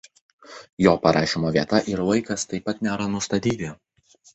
Jo parašymo vieta ir laikas taip pat nėra nustatyti.